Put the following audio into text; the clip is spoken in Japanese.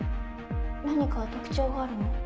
何か特徴があるの？